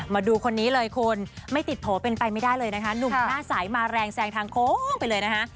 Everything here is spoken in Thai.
มาดูคนนี้เลยคุณไม่ติดโผล่เป็นไปไม่ได้เลยนะคะหนุ่มหน้าใสมาแรงแซงทางโค้งไปเลยนะคะ